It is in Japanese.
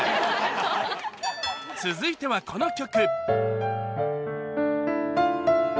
続いてはこの曲